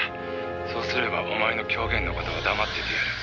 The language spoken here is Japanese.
「そうすればお前の狂言の事は黙っててやる」